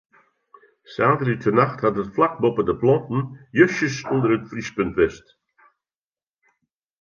Saterdeitenacht hat it flak boppe de planten justjes ûnder it friespunt west.